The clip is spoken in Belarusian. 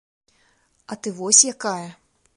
А ты вось якая.